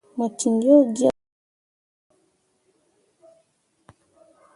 Mo ciŋ yo gyõrîi ɗine.